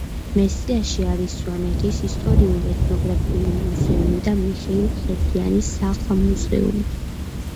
მესტიაში არის სვანეთის ისტორიულ-ეთნოგრაფიული მუზეუმი და მიხეილ ხერგიანის სახლ-მუზეუმი.